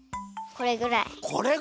これぐらい？